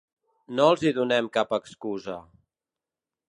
No els hi donem cap excusa.